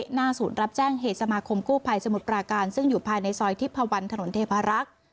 หน้าศูนย์รับแจ้งเหตุสมาคมกู้ภัยสมุทรปราการซึ่งอยู่ภายในซอยทิพพวันถนนเทพารักษ์